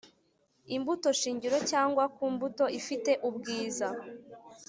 imbuto shingiro cyangwa ku mbuto ifite ubwiza